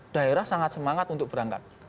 daerah sangat semangat untuk berangkat